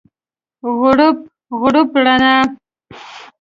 غوړپ، غوړپ رڼا